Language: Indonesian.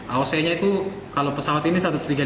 aoc nya itu kalau pesawat ini satu ratus tiga puluh